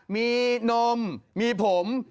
มีนมมีผม